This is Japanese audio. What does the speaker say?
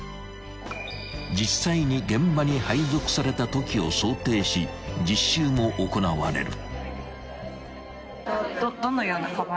実際に現場に配属されたときを想定し実習も行われる］